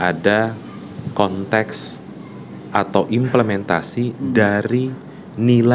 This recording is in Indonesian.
ada konteks atau implementasi dari nilai